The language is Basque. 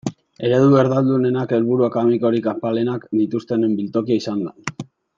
Eredu erdaldunenak helburu akademikorik apalenak dituztenen biltokia izan da.